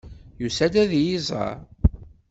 Yusa-d ad iyi-iẓer.